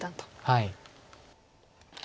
はい。